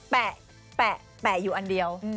แปะอยู่อันเดียว